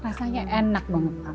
rasanya enak banget pak